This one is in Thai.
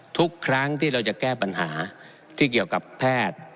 ทุกครั้งที่เราจะแก้ปัญหาที่เกี่ยวกับแพทย์